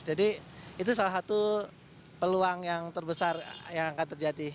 jadi itu salah satu peluang yang terbesar yang akan terjadi